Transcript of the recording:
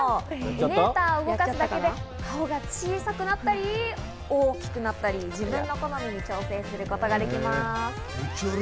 メーターを動かすだけで、顔が小さくなったり大きくなったり、自分の好みに調整することができます。